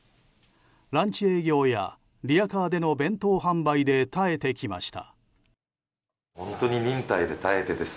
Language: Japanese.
ランチ営業やリヤカーでの弁当販売で耐えてきました。